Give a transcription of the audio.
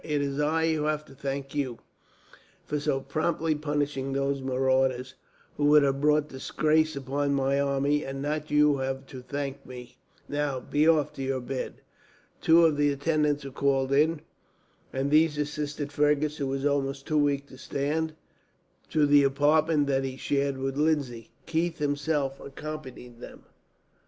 It is I who have to thank you, for so promptly punishing these marauders, who would have brought disgrace upon my army; and not you who have to thank me. Now, be off to your bed." Two of the attendants were called in, and these assisted Fergus, who was almost too weak to stand, to the apartment that he shared with Lindsay. Keith himself accompanied them.